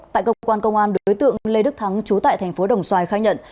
tại công an đối tượng lê đức thắng chú tại thành phố đồng xoài khai nhận